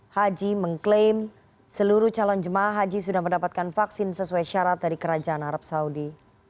haji mengklaim seluruh calon jemaah haji sudah mendapatkan vaksin sesuai syarat dari kerajaan arab saudi